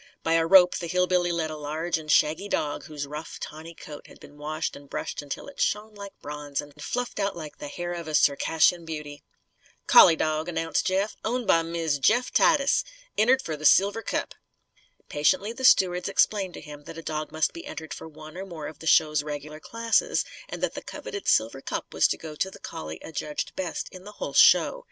By a rope, the hill billy led a large and shaggy dog whose rough, tawny coat had been washed and brushed until it shone like bronze and fluffed out like the hair of a Circassian beauty. "Collie dawg," announced Jeff, "owned by Miz Jeff Titus. Entered for the silver cup." Patiently the stewards explained to him that a dog must be entered for one or more of the show's regular classes, and that the coveted silver cup was to go to the collie adjudged best in the whole show.